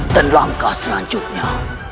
dan langkah selanjutnya